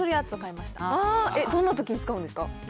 どんなときに使うんですか？